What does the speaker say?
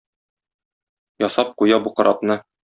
Ясап куя бу корабны.